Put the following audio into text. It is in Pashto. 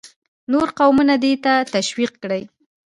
نور قومونه دې ته تشویق کړي.